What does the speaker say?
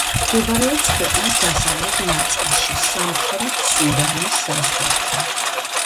მდებარეობს ქვეყნის დასავლეთ ნაწილში, სამხრეთი სუდანის საზღვართან.